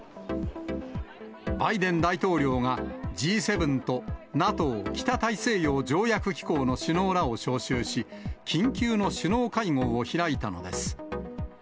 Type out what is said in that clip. バイデン大統領が、Ｇ７とＮＡＴＯ・北大西洋条約機構の首脳らを招集し、緊急の首脳会合を開いたのです。